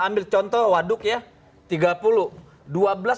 ambil contoh waduk ya